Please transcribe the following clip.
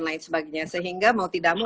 lain sebagainya sehingga mau tidak mau